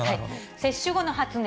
接種後の発熱。